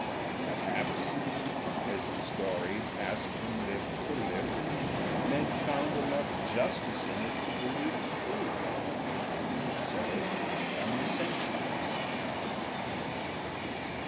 And perhaps, as the story passed from lip to lip, men found enough justice in it to believe it true. So it came down the centuries.